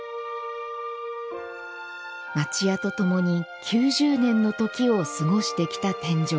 町家と共に９０年の時を過ごしてきた天井。